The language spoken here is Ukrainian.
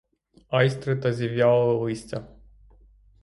Айстри та зів'яле листя.